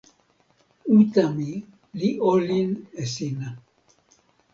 uta mi li olin e sina.